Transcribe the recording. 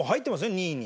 ２位に。